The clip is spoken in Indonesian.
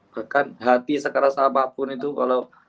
bahkan hati sekeras apapun itu kalau